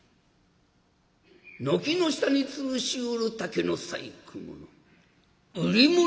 「軒の下につるしおる竹の細工物。